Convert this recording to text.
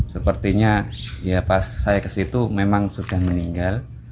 sepertinya ya pas saya ke situ memang sudah meninggal